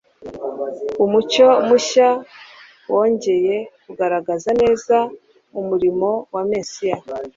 umucyo mushya wongcye kugaragaza neza umurimo wa Mesiya.